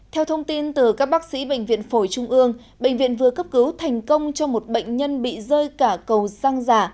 theo thông tin từ các bác sĩ bệnh viện phổi trung ương bệnh viện vừa cấp cứu thành công cho một bệnh nhân bị rơi cả cầu răng giả